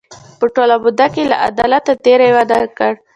په ټوله موده کې له عدالته تېری ونه کړ.